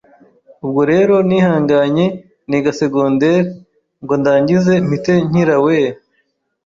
ubwo rero nihanganye niga secondaire ngo ndangize mpite nkira weee!